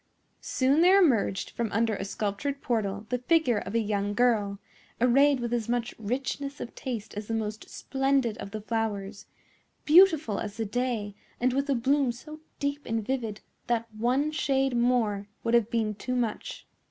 Soon there emerged from under a sculptured portal the figure of a young girl, arrayed with as much richness of taste as the most splendid of the flowers, beautiful as the day, and with a bloom so deep and vivid that one shade more would have been too much.